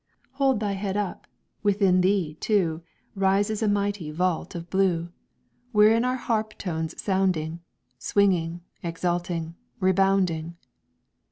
"Hold thy head up; within thee, too, Rises a mighty vault of blue, Wherein are harp tones sounding, Swinging, exulting, rebounding.